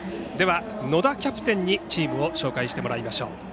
では、野田キャプテンにチームを紹介してもらいましょう。